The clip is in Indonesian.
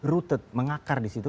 routed mengakar disitu